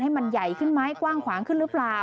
ให้มันใหญ่ขึ้นไหมกว้างขวางขึ้นหรือเปล่า